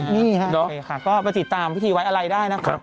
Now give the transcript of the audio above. นี่ค่ะก็ติดตามพิธีไว้อะไรได้นะ